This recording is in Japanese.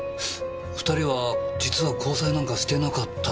２人は実は交際なんかしてなかったって事ですか？